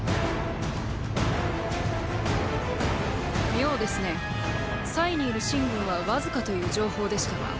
妙ですね。にいる秦軍はわずかという情報でしたが。